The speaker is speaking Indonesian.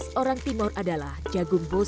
sehingga mereka dapat memiliki makanan yang lebih baik